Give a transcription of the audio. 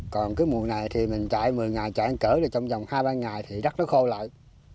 còn cái mùa này thì mình chạy một mươi ngày chạy ăn cỡ thì trong vòng hai ba ngày thì đất nó khô lợi